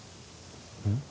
うん？